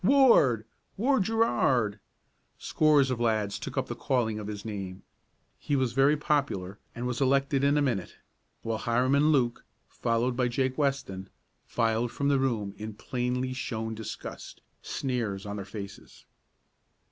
Ward Gerard!" Scores of lads took up the calling of his name. He was very popular, and was elected in a minute, while Hiram and Luke, followed by Jake Weston, filed from the room in plainly shown disgust, sneers on their faces.